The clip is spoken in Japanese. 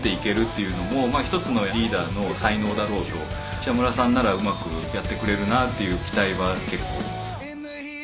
北村さんならうまくやってくれるなっていう期待は結構。